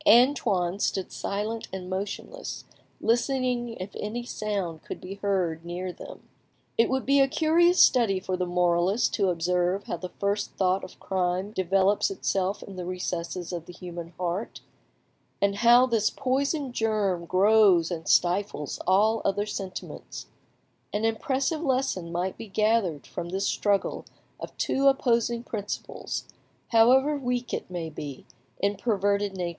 Antoine stood silent and motionless, listening if any sound could be heard near them. It would be a curious study for the moralist to observe how the first thought of crime develops itself in the recesses of the human heart, and how this poisoned germ grows and stifles all other sentiments; an impressive lesson might be gathered from this struggle of two opposing principles, however weak it may be, in perverted natures.